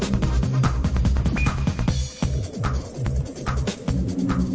มันแปลงไปซับต้น